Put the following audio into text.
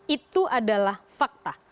itu adalah fakta